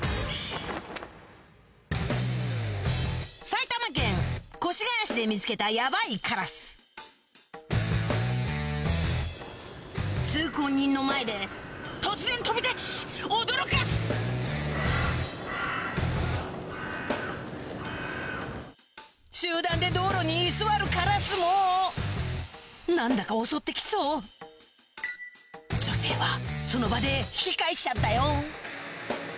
埼玉県越谷市で見つけたヤバイカラス通行人の前で突然飛び立ち驚かす集団で道路に居座るカラスも何だか襲って来そう女性はその場で引き返しちゃったよ